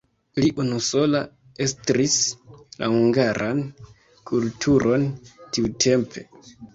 Li unusola estris la hungaran kulturon tiutempe.